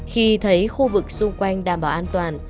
khi thấy khu vực xung quanh đảm bảo an toàn